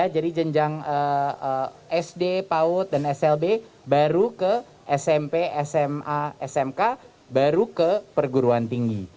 jadi jenjang sd paud dan slb baru ke smp sma smk baru ke perguruan tinggi